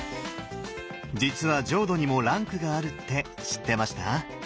実は浄土にもランクがあるって知ってました？